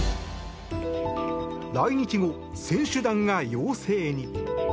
来日後、選手団が陽性に。